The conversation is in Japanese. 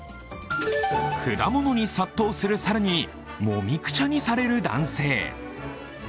果物に殺到する猿にもみくちゃにされる男性。